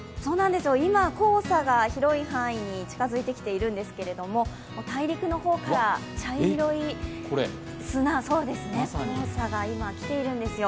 今、黄砂が広い範囲に近づいてきているんですけれども、大陸の方から茶色い砂黄砂が今、来ているんですよ。